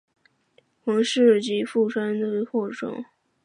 富士冢是富士信仰模仿富士山营造的人工的山或冢。